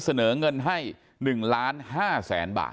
เสนอเงินให้๑ล้าน๕แสนบาท